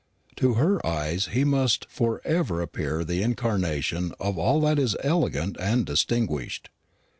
To her eyes he must for ever appear the incarnation of all that is elegant and distinguished.